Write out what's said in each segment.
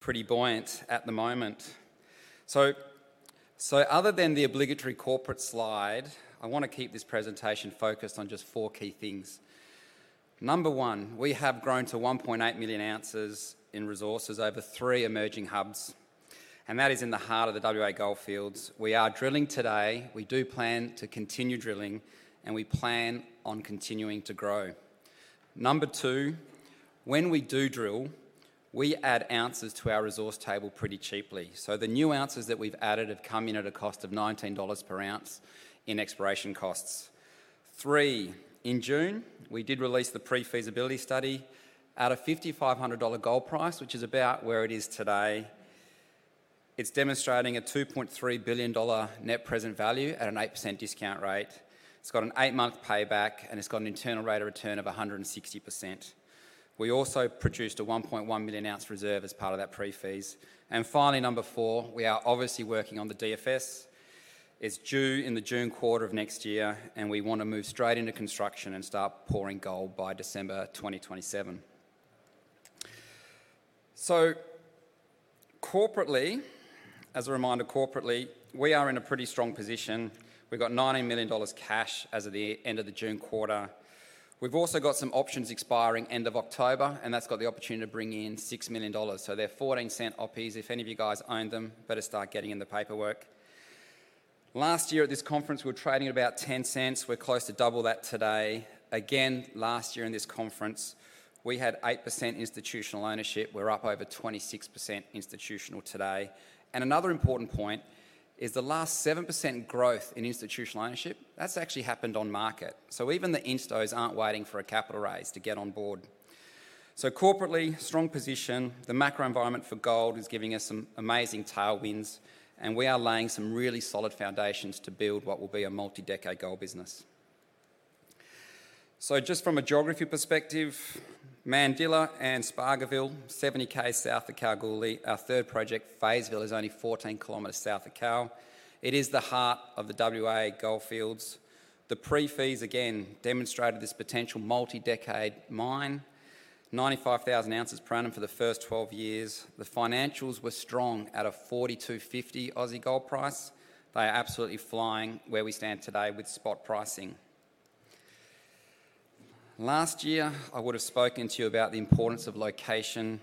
Pretty buoyant at the moment. So, other than the obligatory corporate slide, I want to keep this presentation focused on just four key things. Number one, we have grown to 1.8 million ounces in resources over three emerging hubs, and that is in the heart of the WA Goldfields. We are drilling today. We do plan to continue drilling, and we plan on continuing to grow. Number two, when we do drill, we add ounces to our resource table pretty cheaply. So, the new ounces that we've added have come in at a cost of $19 per ounce in exploration costs. Three, in June, we did release the pre-feasibility study. At a $5,500 gold price, which is about where it is today, it's demonstrating a $2.3 billion net present value at an 8% discount rate. It's got an eight-month payback, and it's got an internal rate of return of 160%. We also produced a 1.1 million ounce reserve as part of that PFS. And finally, number four, we are obviously working on the DFS. It's due in the June quarter of next year, and we want to move straight into construction and start pouring gold by December 2027. So, corporately, as a reminder, corporately, we are in a pretty strong position. We've got 90 million dollars cash as of the end of the June quarter. We've also got some options expiring end of October, and that's got the opportunity to bring in 6 million dollars. So, they're 14 cent oppies. If any of you guys own them, better start getting in the paperwork. Last year at this conference, we were trading at about 10 cents. We're close to double that today. Again, last year in this conference, we had 8% institutional ownership. We're up over 26% institutional today. Another important point is the last 7% growth in institutional ownership, that's actually happened on market. Even the instos aren't waiting for a capital raise to get on board. Corporately, strong position. The macro environment for gold is giving us some amazing tailwinds, and we are laying some really solid foundations to build what will be a multi-decade gold business. Just from a geography perspective, Mandila and Spargoville, 70 km south of Kalgoorlie, our third project, Feysville, is only 14 kilometers south of Kal. It is the heart of the WA Goldfields. The PFS, again, demonstrated this potential multi-decade mine, 95,000 ounces per annum for the first 12 years. The financials were strong at a $42.50 Aussie gold price. They are absolutely flying where we stand today with spot pricing. Last year, I would have spoken to you about the importance of location.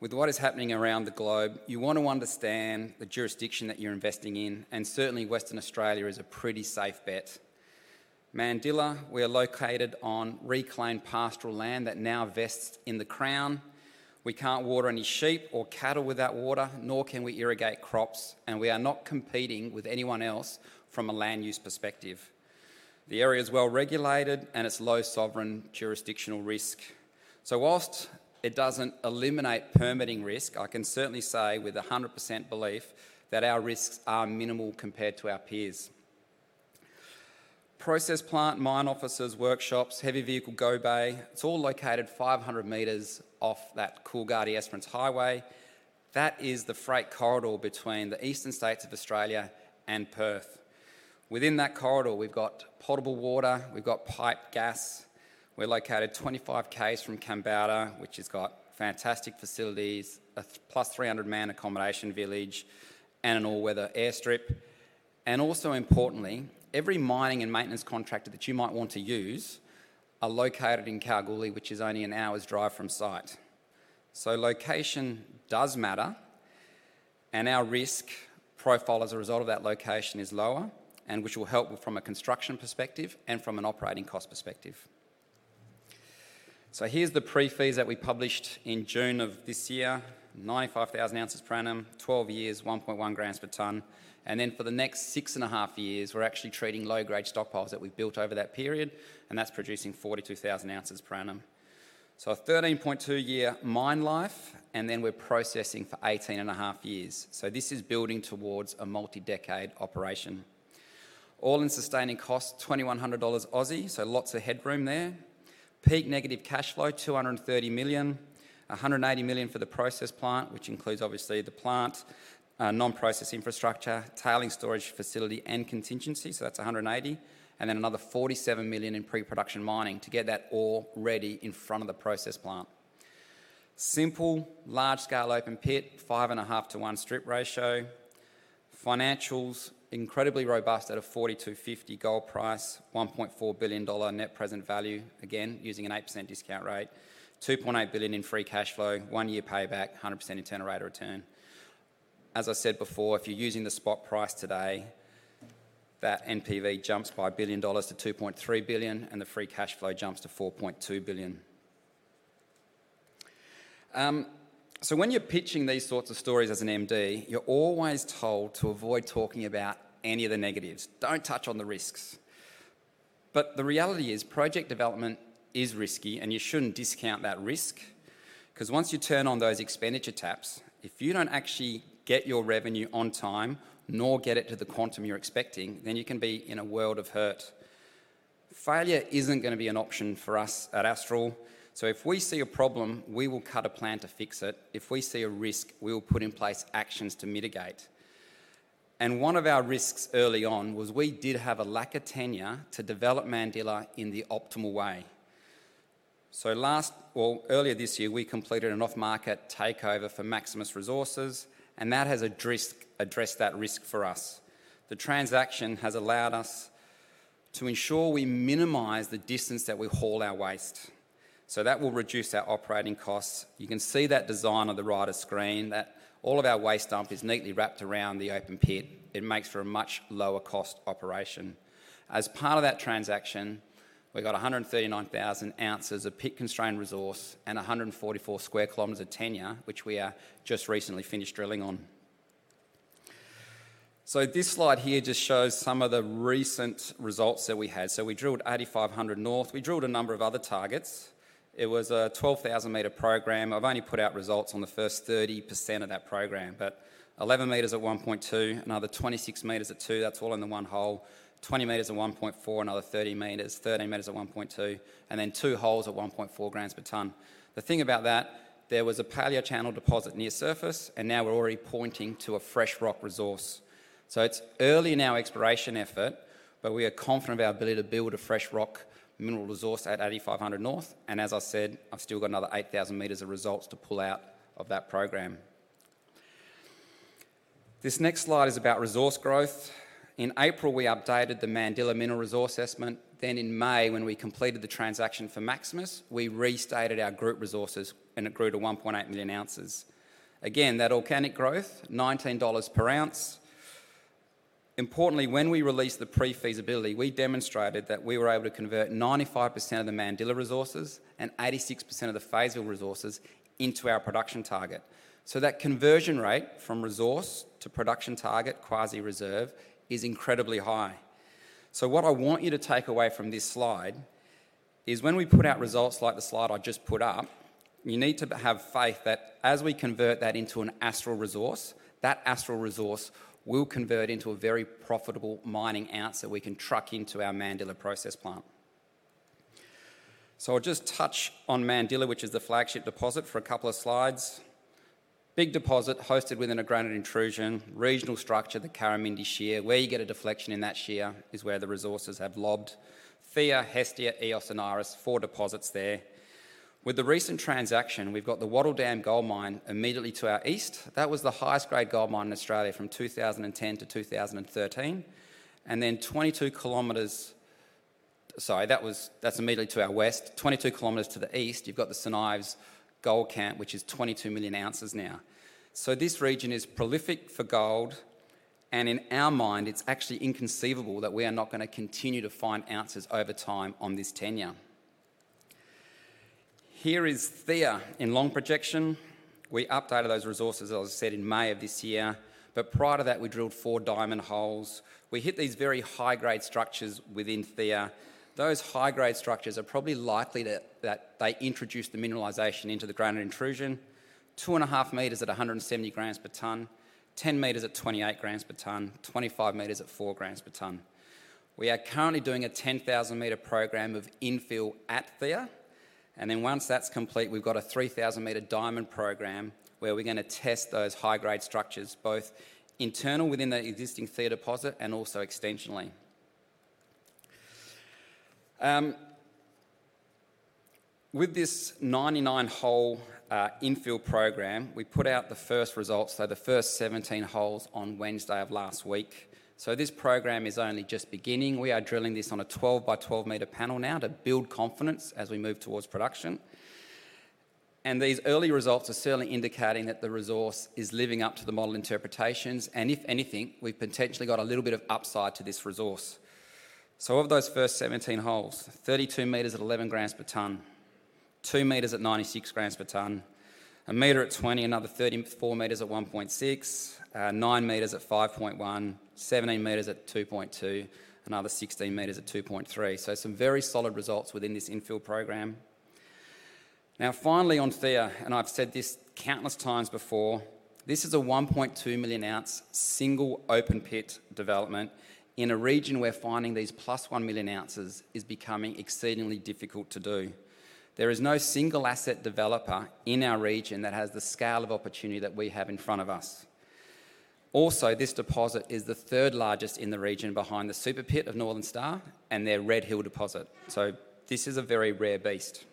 With what is happening around the globe, you want to understand the jurisdiction that you're investing in, and certainly Western Australia is a pretty safe bet. Mandila, we are located on reclaimed pastoral land that now vests in the Crown. We can't water any sheep or cattle with that water, nor can we irrigate crops, and we are not competing with anyone else from a land use perspective. The area is well regulated, and it's low sovereign jurisdictional risk. So, while it doesn't eliminate permitting risk, I can certainly say with 100% belief that our risks are minimal compared to our peers. Process plant, mine offices, workshops, heavy vehicle go bay. It's all located 500 meters off that Coolgardie-Esperance Highway. That is the freight corridor between the Eastern States of Australia and Perth. Within that corridor, we've got potable water, we've got piped gas. We're located 25 km from Kambalda, which has got fantastic facilities, a +300-man accommodation village, and an all-weather airstrip. And also importantly, every mining and maintenance contractor that you might want to use are located in Kalgoorlie, which is only an hour's drive from site. So, location does matter, and our risk profile as a result of that location is lower, which will help from a construction perspective and from an operating cost perspective. So, here's the PFS that we published in June of this year: 95,000 ounces per annum, 12 years, 1.1 grams per tonne. And then for the next six and a half years, we're actually treating low-grade stockpiles that we've built over that period, and that's producing 42,000 ounces per annum. So, a 13.2-year mine life, and then we're processing for 18 and a half years. So, this is building towards a multi-decade operation. All-in sustaining costs, 2,100 Aussie dollars, so lots of headroom there. Peak negative cash flow, 230 million, 180 million for the process plant, which includes obviously the plant, non-process infrastructure, tailings storage facility, and contingency. So, that's 180, and then another 47 million in pre-production mining to get that all ready in front of the process plant. Simple, large-scale open pit, five and a half to one strip ratio. Financials, incredibly robust at a 42.50 gold price, 1.4 billion dollar net present value, again using an 8% discount rate, 2.8 billion in free cash flow, one-year payback, 100% internal rate of return. As I said before, if you're using the spot price today, that NPV jumps by 1 billion dollars to 2.3 billion, and the free cash flow jumps to 4.2 billion. So, when you're pitching these sorts of stories as an MD, you're always told to avoid talking about any of the negatives. Don't touch on the risks. But the reality is project development is risky, and you shouldn't discount that risk, because once you turn on those expenditure taps, if you don't actually get your revenue on time, nor get it to the quantum you're expecting, then you can be in a world of hurt. Failure isn't going to be an option for us at Astral. So, if we see a problem, we will cut a plan to fix it. If we see a risk, we will put in place actions to mitigate. And one of our risks early on was we did have a lack of tenure to develop Mandila in the optimal way. So, earlier this year, we completed an off-market takeover for Maximus Resources, and that has addressed that risk for us. The transaction has allowed us to ensure we minimize the distance that we haul our waste. So, that will reduce our operating costs. You can see that design on the right of screen, that all of our waste dump is neatly wrapped around the open pit. It makes for a much lower-cost operation. As part of that transaction, we've got 139,000 ounces of pit-constrained resource and 144 sq km of tenure, which we are just recently finished drilling on. So, this slide here just shows some of the recent results that we had. So, we drilled 8,500 North. We drilled a number of other targets. It was a 12,000-Meter program. I've only put out results on the first 30% of that program, but 11 meters at 1.2, another 26 meters at 2, that's all in the one hole, 20 meters at 1.4, another 30 meters, 13 meters at 1.2, and then two holes at 1.4 grams per tonne. The thing about that, there was a paleochannel deposit near surface, and now we're already pointing to a fresh rock resource. It's early in our exploration effort, but we are confident of our ability to build a fresh rock mineral resource at 8,500 North. As I said, I've still got another 8,000 meters of results to pull out of that program. This next slide is about resource growth. In April, we updated the Mandila Mineral Resource Assessment. Then in May, when we completed the transaction for Maximus, we restated our group resources, and it grew to 1.8 million ounces. Again, that organic growth, $19 per ounce. Importantly, when we released the Pre-feasibility, we demonstrated that we were able to convert 95% of the Mandila resources and 86% of the Feysville resources into our production target. So, that conversion rate from resource to production target, Quasi-reserve, is incredibly high. So, what I want you to take away from this slide is when we put out results like the slide I just put up, you need to have faith that as we convert that into an Astral resource, that Astral resource will convert into a very profitable mining ounce that we can truck into our Mandila process plant. So, I'll just touch on Mandila, which is the flagship deposit, for a couple of slides. Big deposit hosted within a granite intrusion, regional structure the Karramindie Shear. Where you get a deflection in that Shear is where the resources have lobbed. Thea, Hestia, Eos, and Iris, four deposits there. With the recent transaction, we've got the Wattle Dam Gold Mine immediately to our east. That was the highest-grade gold mine in Australia from 2010 to 2013. And then 22 kilometers, sorry, that's immediately to our west, 22 kilometers to the east, you've got the St Ives Gold Camp, which is 22 million ounces now. So, this region is prolific for gold, and in our mind, it's actually inconceivable that we are not going to continue to find ounces over time on this tenure. Here is Thea in long section. We updated those resources, as I said, in May of this year, but prior to that, we drilled four diamond holes. We hit these very high-grade structures within Thea. Those high-grade structures are probably likely that they introduced the mineralization into the granite intrusion. Two and a half meters at 170 grams per tonne, 10 meters at 28 grams per tonne, 25 meters at 4 grams per tonne. We are currently doing a 10,000-meter program of infill at Thea, and then once that's complete, we've got a 3,000-meter diamond program where we're going to test those high-grade structures, both internal within the existing Thea deposit and also extensionally. With this 99-hole infill program, we put out the first results, so the first 17 holes on Wednesday of last week. So, this program is only just beginning. We are drilling this on a 12 by 12-meter panel now to build confidence as we move towards production. And these early results are certainly indicating that the resource is living up to the model interpretations, and if anything, we've potentially got a little bit of upside to this resource. Of those first 17 holes, 32 meters at 11 grams per tonne, 2 meters at 96 grams per tonne, one meter at 20, another 34 meters at 1.6, 9 meters at 5.1, 17 meters at 2.2, another 16 meters at 2.3. Some very solid results within this infill program. Now, finally on Thea, and I've said this countless times before, this is a 1.2-million-ounce single open pit development in a region where finding these plus-1-million-ounce is becoming exceedingly difficult to do. There is no single asset developer in our region that has the scale of opportunity that we have in front of us. Also, this deposit is the third largest in the region behind the Super Pit of Northern Star and their Red Hill deposit. This is a very rare beast.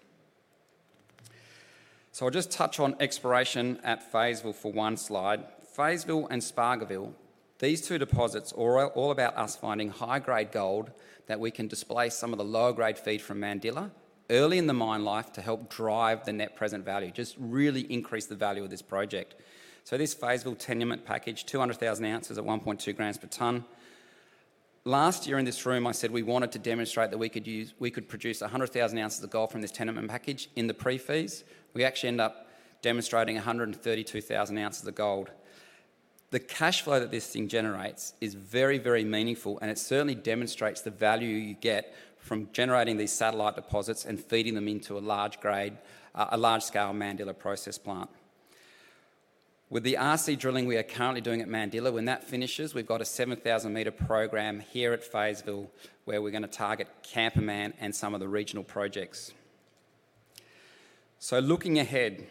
I'll just touch on exploration at Feysville for one slide. Feysville and Spargoville, these two deposits are all about us finding high-grade gold that we can displace some of the lower-grade feed from Mandila early in the mine life to help drive the net present value, just really increase the value of this project. So, this Feysville tenement package, 200,000 ounces at 1.2 grams per tonne. Last year in this room, I said we wanted to demonstrate that we could produce 100,000 ounces of gold from this tenement package in the pre-feas. We actually ended up demonstrating 132,000 ounces of gold. The cash flow that this thing generates is very, very meaningful, and it certainly demonstrates the value you get from generating these satellite deposits and feeding them into a large-scale Mandila process plant. With the RC drilling we are currently doing at Mandila, when that finishes, we've got a 7,000-meter program here at Feysville where we're going to target Kamperman and some of the regional projects. So, looking ahead,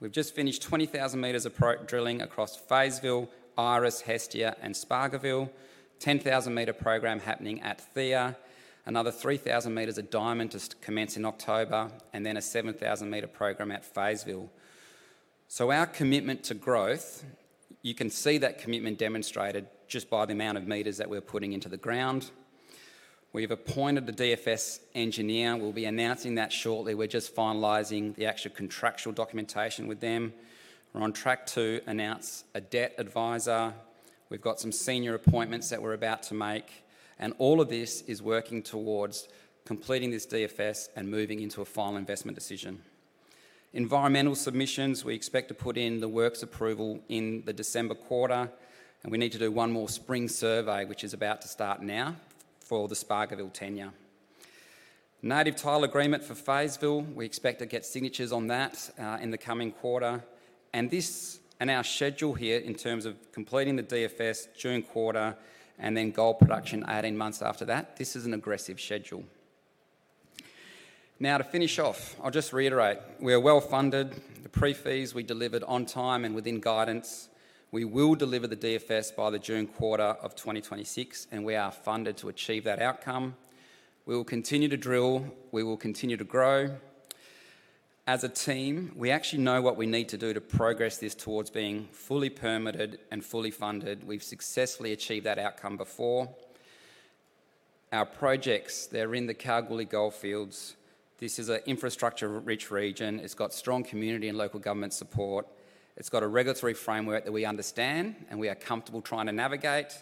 we've just finished 20,000 meters of drilling across Feysville, Iris, Hestia, and Spargoville, 10,000-meter program happening at Thea, another 3,000 meters at diamond to commence in October, and then a 7,000-meter program at Feysville. So, our commitment to growth, you can see that commitment demonstrated just by the amount of meters that we're putting into the ground. We've appointed the DFS engineer. We'll be announcing that shortly. We're just finalizing the actual contractual documentation with them. We're on track to announce a debt advisor. We've got some senior appointments that we're about to make, and all of this is working towards completing this DFS and moving into a final investment decision. Environmental submissions, we expect to put in the Works Approval in the December quarter, and we need to do one more spring survey, which is about to start now for the Spargoville tenure. Native Title Agreement for Feysville, we expect to get signatures on that in the coming quarter. And this and our schedule here in terms of completing the DFS, June quarter, and then gold production 18 months after that, this is an aggressive schedule. Now, to finish off, I'll just reiterate, we are well funded. The PFS, we delivered on time and within guidance. We will deliver the DFS by the June quarter of 2026, and we are funded to achieve that outcome. We will continue to drill. We will continue to grow. As a team, we actually know what we need to do to progress this towards being fully permitted and fully funded. We've successfully achieved that outcome before. Our projects, they're in the Kalgoorlie Goldfields. This is an infrastructure-rich region. It's got strong community and local government support. It's got a regulatory framework that we understand and we are comfortable trying to navigate.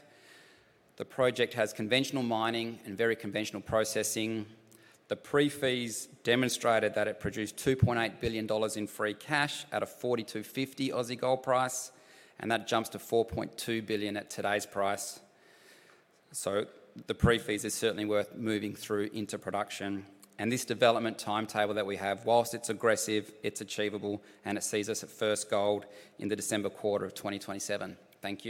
The project has conventional mining and very conventional processing. The PFS demonstrated that it produced 2.8 billion dollars in free cash out of 42.50 Aussie gold price, and that jumps to 4.2 billion at today's price. So, the PFS are certainly worth moving through into production. And this development timetable that we have, while it's aggressive, it's achievable, and it sees us at first gold in the December quarter of 2027. Thank you.